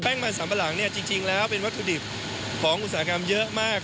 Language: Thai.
มันสัมปะหลังเนี่ยจริงแล้วเป็นวัตถุดิบของอุตสาหกรรมเยอะมาก